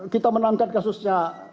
kita menangkan kasusnya